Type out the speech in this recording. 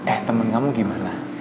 eh temen kamu gimana